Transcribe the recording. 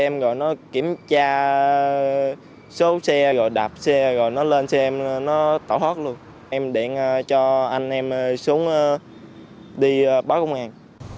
em rồi nó kiểm tra số xe rồi đạp xe rồi nó lên xe em nó tẩu hót luôn em điện cho anh em xuống đi báo công an